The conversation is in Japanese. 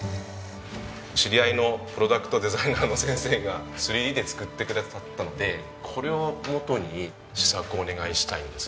知り合いのプロダクトデザイナーの先生が３Ｄで作ってくださったのでこれをもとに試作をお願いしたいんです。